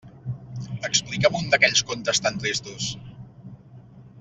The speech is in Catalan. Explica'm un d'aquells contes tan tristos!